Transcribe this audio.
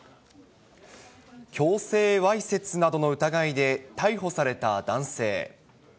強制わいせつなどの疑いで逮捕された男性。